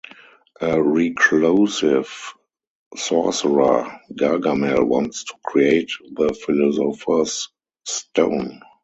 A reclusive sorcerer, Gargamel, wants to create the philosopher's stone.